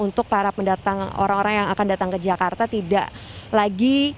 dan untuk para pendatang orang orang yang akan datang ke jakarta tidak lagi hanya perlu melampirkan hasil rapi tes